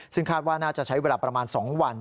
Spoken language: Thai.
ซึ่งคาดว่าน่าจะใช้เวลาประมาณ๒วัน